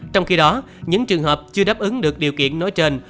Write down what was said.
trong khi đó những trường hợp chưa đáp ứng được điều kiện nói trên